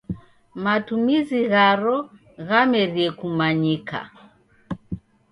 Matumizi gharo ghamerie kumanyika.